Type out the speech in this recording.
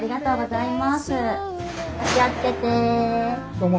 どうも。